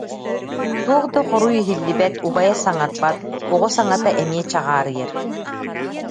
туох да хоруй иһиллибэт, убайа саҥарбат, оҕо саҥата эмиэ чаҕаарыйар